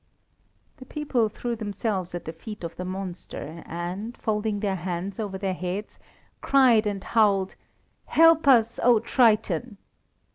The people threw themselves at the feet of the monster, and, folding their hands over their heads, cried and howled: "Help us, O Triton!"